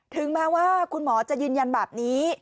ถึงแม้ว่าคุณหมอจะยืนยันแบบนี้